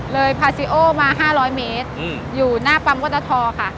พาซิโอมา๕๐๐เมตรอยู่หน้าปั๊มวอตทค่ะ